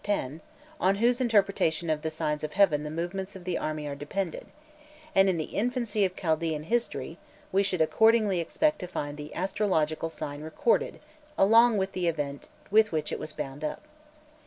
10, on whose interpretation of the signs of heaven the movements of the army depended; and in the infancy of Chaldæn history we should accordingly expect to find the astrological sign recorded along with the event with which it was bound up.